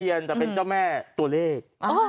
จะเป็นเจ้าแม่ตัวเลข